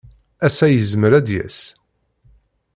Ass-a, yezmer ad d-yas.